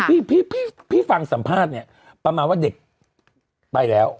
พี่พี่ฟังสัมภาษณ์เนี่ยประมาณว่าเด็กไปแล้ว